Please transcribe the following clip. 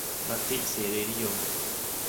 ลัทธิเสรีนิยม